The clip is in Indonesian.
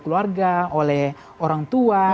keluarga oleh orang tua